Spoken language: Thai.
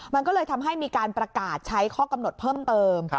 มันก็เลยทำให้มีการประกาศใช้ข้อกำหนดเพิ่มเติม